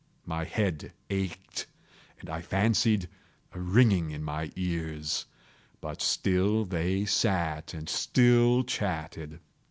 My head ached, and I fancied a ringing in my ears: but still they sat and still chatted.